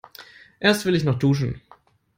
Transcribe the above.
Erst will ich noch duschen.